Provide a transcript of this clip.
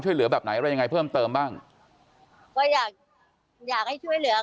ช่วยเหลือแบบไหนอะไรยังไงเพิ่มเติมบ้างก็อยากอยากให้ช่วยเหลือ